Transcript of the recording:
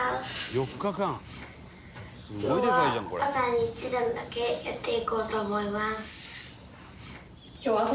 今日は朝に１段だけやっていこうと思います。